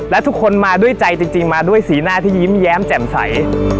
และทุกคนมาด้วยใจจริงมาด้วยสีหน้าที่ยิ้มแย้มแจ่มใส